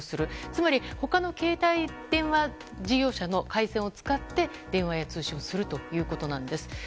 つまり、他の携帯電話事業者の回線を使って電話や通信をするということです。